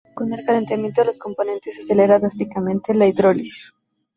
Con el calentamiento de los componentes se acelera drásticamente la hidrólisis.